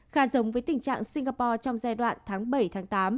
khá giống với tình trạng singapore trong giai đoạn tháng bảy tháng tám